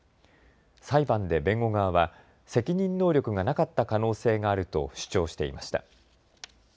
裁判で弁護側は責任能力がなかった可能性があると主張していました。